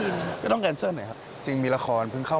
ไม่สนเลยอ่ะ